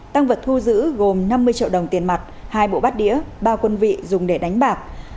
tăng vật thu giữ gồm năm mươi triệu đồng tiền mặt hai bộ bát đĩa ba quân vị dùng để đánh bạc